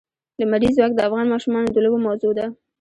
لمریز ځواک د افغان ماشومانو د لوبو موضوع ده.